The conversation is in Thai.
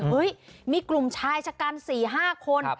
มีกลุ่มชายชะกัน๔๕คน